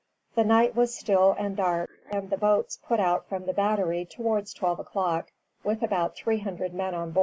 The night was still and dark, and the boats put out from the battery towards twelve o'clock, with about three hundred men on board.